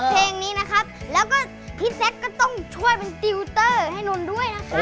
เพลงนี้นะครับแล้วก็พี่แจ๊คก็ต้องช่วยเป็นติวเตอร์ให้นนท์ด้วยนะคะ